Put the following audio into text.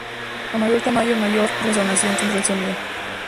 A mayor tamaño, mayor resonancia tendrá el sonido.